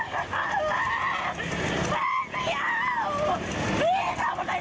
มาได้ใช่รีบ่าย